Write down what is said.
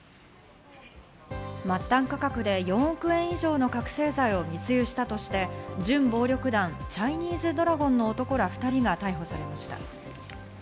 末端価格で４億円以上の覚醒剤を密輸したとして準暴力団チャイニーズドラゴンの男ら２人が逮捕されました。